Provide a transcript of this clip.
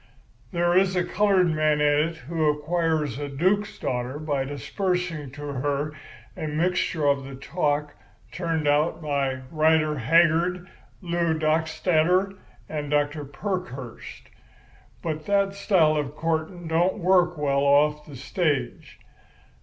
There is a coloured man in it who acquires a duke's daughter by disbursing to her a mixture of the talk turned out by Rider Haggard, Lew Dockstader, and Dr. Parkhurst. But that style of courting don't work well off the stage.